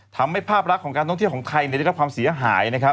ทำให้ภาพลักษณ์ของการท่องเที่ยวของไทยได้รับความเสียหายนะครับ